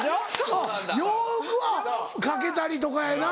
あっ洋服は掛けたりとかやな。